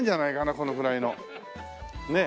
このくらいの。ねえ。